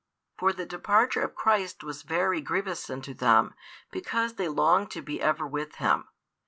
For the departure of Christ was very grievous unto them, because they longed to be ever with Him.